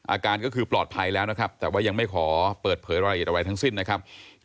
อาการก็คือปลอดภัยแล้วนะครับแต่ว่ายังไม่ขอเปิดเผยรายละเอียดอะไรทั้งสิ้นนะครับ